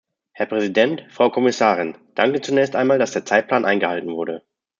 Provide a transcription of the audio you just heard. Herr Präsident, Frau Kommissarin! Danke zunächst einmal, dass der Zeitplan eingehalten wurde.